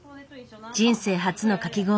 人生初のかき氷。